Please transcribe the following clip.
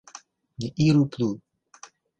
Ni iru plu.